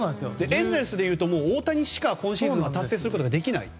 エンゼルスでいうと今シーズンは達成することができない。